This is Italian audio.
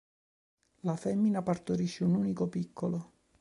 La femmina partorisce un unico piccolo.